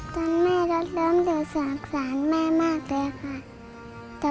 ตอนแม่ก็เริ่มรู้สึกสร้างสาวแม่มากเลยค่ะ